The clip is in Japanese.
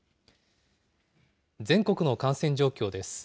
全国の感染状況です。